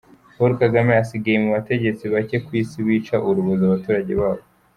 Paul Kagame asigaye mu bategetsi bake kw’isi bica urubozo abaturage babo.